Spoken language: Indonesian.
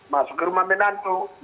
masuk ke rumah minantus